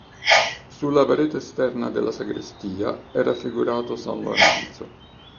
Sulla parete esterna della sagrestia è raffigurato San Lorenzo.